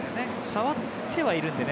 触ってはいるのでね。